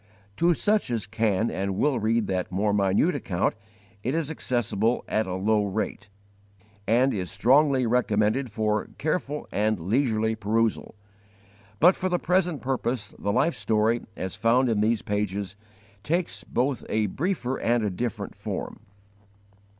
To such as can and will read that more minute account it is accessible at a low rate,* and is strongly recommended for careful and leisurely perusal. But for the present purpose the life story, as found in these pages, takes both a briefer and a different form. * Five volumes at 16s. Published by Jas.